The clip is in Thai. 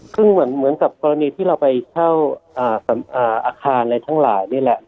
ซึ่งเหมือนกับกรณีที่เราไปเช่าอาคารอะไรทั้งหลายนี่แหละ